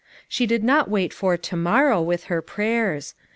She did not wait for u to morrow" with her prayers.